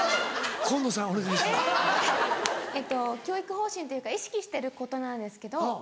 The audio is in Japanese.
教育方針というか意識してることなんですけど。